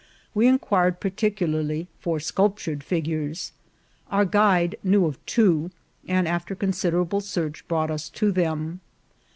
We in quired particularly for sculptured figures ; our guide knew of two, and after considerable search brought us to them.